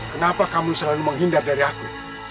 kenapa kamu selalu menghindar dari aku